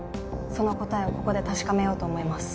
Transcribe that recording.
その答えをここで確かめようと思います。